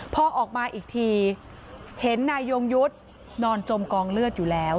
พอออกมาอีกทีเห็นนายยงยุทธ์นอนจมกองเลือดอยู่แล้ว